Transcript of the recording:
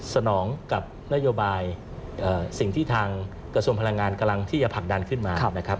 สนองกับนโยบายสิ่งที่ทางกระทรวงพลังงานกำลังที่จะผลักดันขึ้นมานะครับ